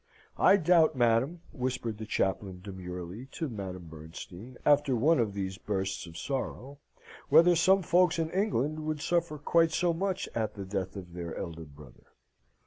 "I doubt, madam," whispered the chaplain, demurely, to Madame Bernstein, after one of these bursts of sorrow, "whether some folks in England would suffer quite so much at the death of their elder brother."